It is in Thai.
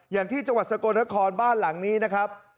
อย่างที่จังหวัดสกลนครบ้านหลังนี้นะครับ